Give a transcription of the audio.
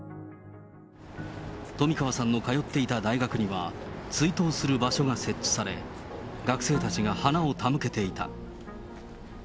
冨川さんの通っていた大学には、追悼する場所が設置され、学生たちが花を手向けていた。